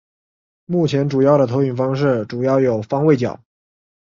目前主要的投影方式主要有方位角。